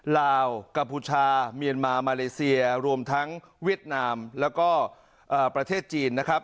ลาวกัมพูชาเมียนมามาเลเซียรวมทั้งเวียดนามแล้วก็ประเทศจีนนะครับ